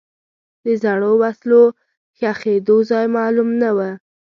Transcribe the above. د زړو وسلو ښخېدو ځای معلوم نه و.